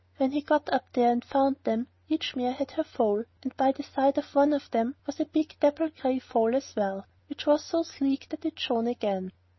When he got up there and found them, each mare had her foal, and by the side of one of them was a big dapple grey foal as well, which was so sleek that it shone again.